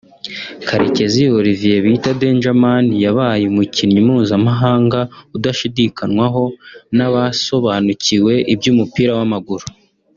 Karekezi Olivier bita 'Danger Man' yabaye umukinnyi mpuzamahanga udashidikanwaho n'abasobanukiwe iby'umupira w'amaguru